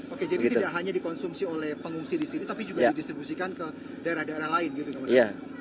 oke jadi tidak hanya dikonsumsi oleh pengungsi di sini tapi juga didistribusikan ke daerah daerah lain gitu ya pak